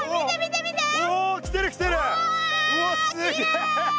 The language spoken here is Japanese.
うわっすげえ！